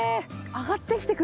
上がってきてくれるんだ。